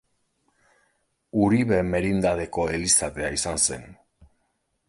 Uribe merindadeko elizatea izan zen.